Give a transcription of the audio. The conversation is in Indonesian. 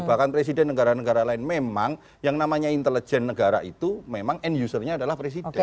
bahkan presiden negara negara lain memang yang namanya intelijen negara itu memang end usernya adalah presiden